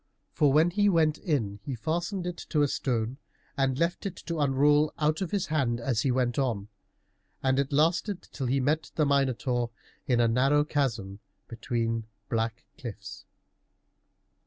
For when he went in he fastened it to a stone and left it to unroll out of his hand as he went on, and it lasted till he met the Minotaur in a narrow chasm between black cliffs.